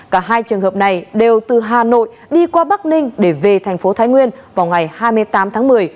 cả hai trường hợp này đều từ hà nội đi qua bắc ninh để về thành phố thái nguyên vào ngày hai mươi tám tháng một mươi